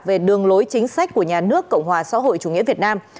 về đường lối chính sách của nhà nước cộng hòa xã hội chủ nghĩa việt nam